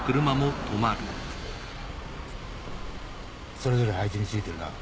それぞれ配置についてるな？